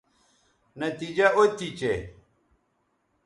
نتیجہ او تھی چہء